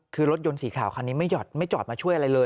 คือรถยนต์สีขาวคันนี้ไม่จอดมาช่วยอะไรเลย